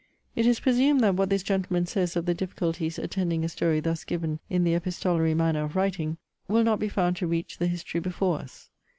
It is presumed that what this gentleman says of the difficulties attending a story thus given in the epistolary manner of writing, will not be found to reach the History before us.